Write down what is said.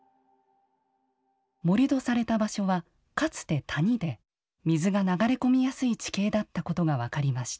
盛土された場所はかつて谷で水が流れ込みやすい地形だったことが分かりました。